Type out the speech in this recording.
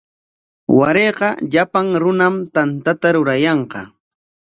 Warayqa llapan runam tantata rurayanqa.